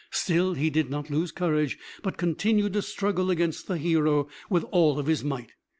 Still he did not lose courage, but continued to struggle against the hero with all his might.